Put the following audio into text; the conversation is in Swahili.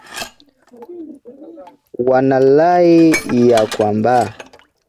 Wanarai ya kwamba